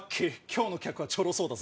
今日の客はちょろそうだ。